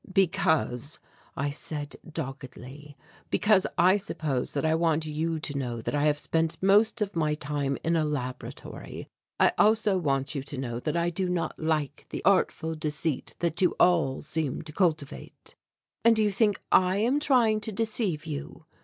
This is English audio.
"Because," I said doggedly, "because I suppose that I want you to know that I have spent most of my time in a laboratory. I also want you to know that I do not like the artful deceit that you all seem to cultivate." "And do you think I am trying to deceive you?"